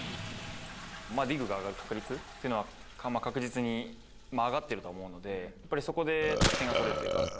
ディグが上がる確率っていうのは、確実に上がっていると思うので、やっぱりそこで得点が取れるというか。